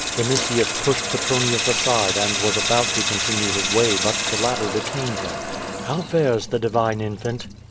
Vinitius pushed Petronius aside and was about to continue his way but the lat ter detained him. "How fares the divine infant?'